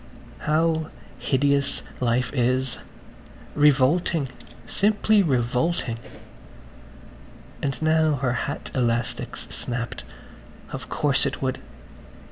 How hideous life is–revolting, simply revolting. ... And now her hat elastic's snapped. Of course it would.